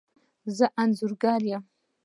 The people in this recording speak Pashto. زه انځورګر یم